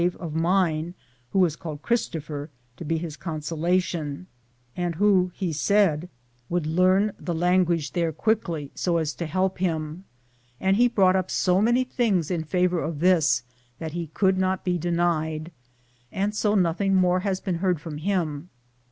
.Google THE JOUHHET OP CORONADO of mine who was called Christopher, to be his consolation, and who he said would learn the language there quickly so as to help him; and he brought up so many things in favor of this that he could not be denied, and so nothing more has been heard from him.